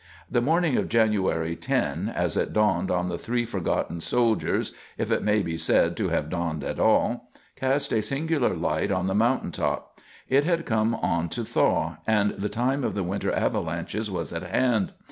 The morning of January 10, as it dawned on the three forgotten soldiers, if it may be said to have dawned at all, cast a singular light on the mountain top. It had come on to thaw, and the time of the winter avalanches was at hand.